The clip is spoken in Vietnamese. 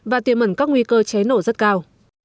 và tiềm ẩn các nguy cơ cháy nổ rất cao